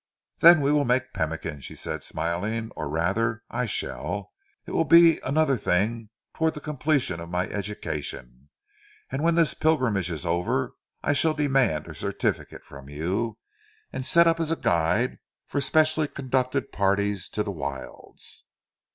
"Then we will make pemmican," she said smiling, "or rather I shall. It will be another thing towards the completion of my education, and when this pilgrimage is over I shall demand a certificate from you, and set up as a guide for specially conducted parties to the wilds."